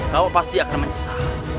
kau pasti akan menyesal